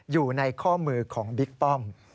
อยู่ในข้อมือของบิ๊กป้อม